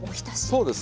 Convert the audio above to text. そうです。